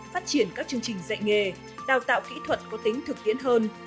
phát triển các chương trình dạy nghề đào tạo kỹ thuật có tính thực tiễn hơn